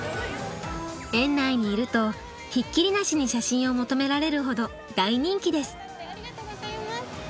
園内にいるとひっきりなしに写真を求められるほど大人気です。